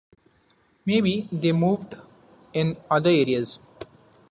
Maybe they've moved in other areas.